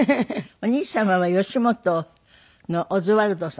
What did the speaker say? お兄様は吉本のオズワルドさん？